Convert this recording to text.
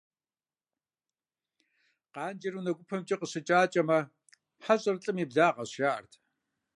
Къанжэр унэ гупэмкӀэ къыщыкӀакӀэмэ, хьэщӀэр лӀым и благъэщ, жаӀэрт.